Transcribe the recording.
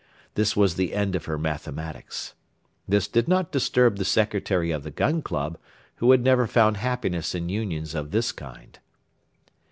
This was the end of her mathematics. This did not disturb the Secretary of the Gun Club, who had never found happiness in unions of this kind.